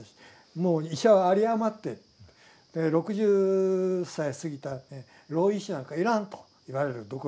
もう医者は有り余ってる６０歳過ぎた老医師なんか要らんと言われるどこ行っても。